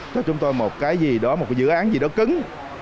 cho chúng tôi một cái gì đó một cái dự án gì đó cứng